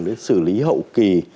đến xử lý hậu kỳ